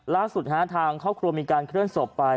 ล่าสุดท้านทางเขากลัวมีการเคลื่อนศพไป